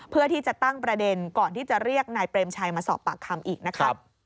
เพื่อที่จะตั้งประเด็นก่อนที่จะเรียกนายเปรมชัยมาสอบปากคำอีกนะครับ